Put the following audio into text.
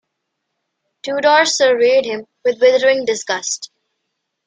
Tudor surveyed him with withering disgust.